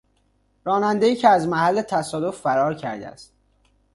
رانندهای که از محل تصادف فرار کرده است.